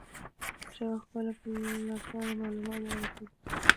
ژبه خپله په لپاره، معلوماتو د اړه پدې